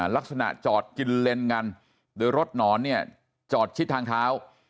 ลักษณะจอดกินเลนกันโดยรถหนอนเนี่ยจอดชิดทางเท้า